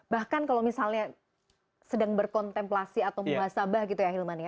bahkan kalau misalnya sedang berkontemplasi atau muhasabah gitu ya hilman ya